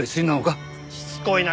しつこいな。